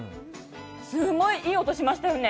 すごいいい音しましたよね。